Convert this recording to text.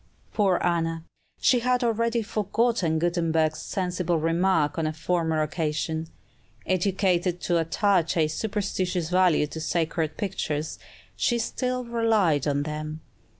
Poor Anna! she had already forgotten Gutenberg's sensible remark on a former occasion. Educated to attach a superstitious value to sacred pictures, she still relied on them.